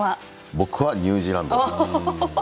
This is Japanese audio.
僕はニュージーランドです。